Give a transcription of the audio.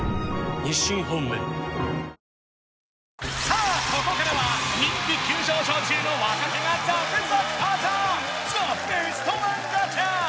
さあここからは人気急上昇中の若手が続々登場